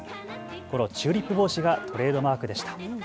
このチューリップ帽子がトレードマークでした。